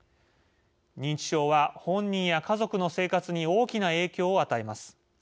認知症は本人や家族の生活に大きな影響を与えます。